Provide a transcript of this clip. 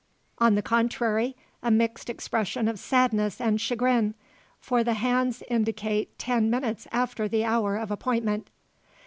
On the contrary, a mixed expression of sadness and chagrin. For the hands indicate ten minutes after the hour of appointment.